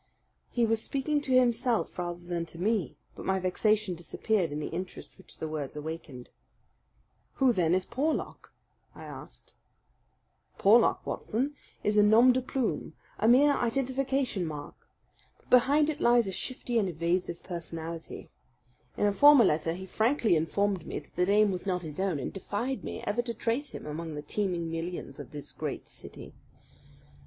He was speaking to himself rather than to me; but my vexation disappeared in the interest which the words awakened. "Who then is Porlock?" I asked. "Porlock, Watson, is a nom de plume, a mere identification mark; but behind it lies a shifty and evasive personality. In a former letter he frankly informed me that the name was not his own, and defied me ever to trace him among the teeming millions of this great city.